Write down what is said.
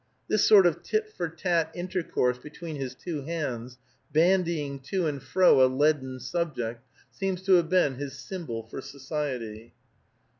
This sort of tit for tat intercourse between his two hands, bandying to and fro a leaden subject, seems to have been his symbol for society.